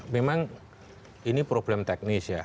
memang ini problem teknis ya